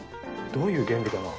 どういう原理かな。